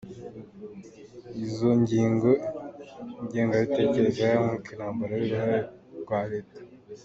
Izo ngingo ni ingengabitekerezo y’amoko, intambara n’uruhare rwa Leta.